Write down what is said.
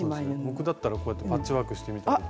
僕だったらこうやってパッチワークしてみたり。